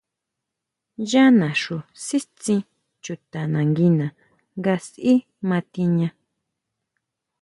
Yá naxu sítsin chuta nanguina nga sʼí ma tiña.